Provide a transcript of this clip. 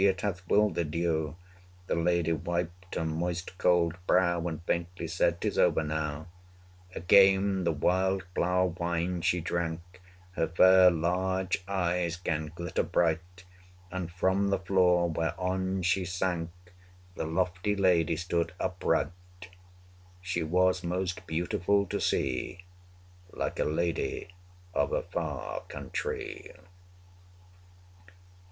it hath wildered you! The lady wiped her moist cold brow, And faintly said, ''tis over now!' Again the wild flower wine she drank: 220 Her fair large eyes 'gan glitter bright, And from the floor whereon she sank, The lofty lady stood upright: She was most beautiful to see, Like a lady of a far countrée.